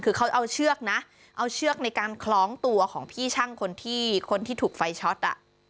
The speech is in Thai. คือเขาเอาเชือกนะเอาเชือกในการคล้องตัวของพี่ช่างคนที่คนที่ถูกไฟช็อต